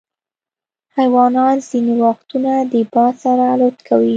حیوانات ځینې وختونه د باد سره الوت کوي.